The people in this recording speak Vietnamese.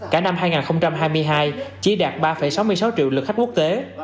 cả năm hai nghìn hai mươi hai chỉ đạt ba sáu mươi sáu triệu lượt khách quốc tế